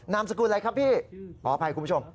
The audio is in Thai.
นามสกุลอะไรครับพี่ขออภัยคุณผู้ชม